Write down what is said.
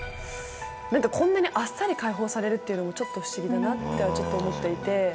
こんなにあっさり解放されるっていうのもちょっと不思議だなって思っていて。